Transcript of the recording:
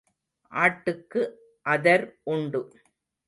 ஆட்டுக்கு அதர் உண்டு.